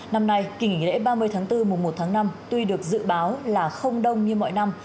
năm nay kỷ nghỉ lễ ba mươi tháng bốn mùa một tháng năm tuy được dự báo là không đông như mọi năm